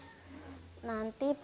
siang tidak masih kerja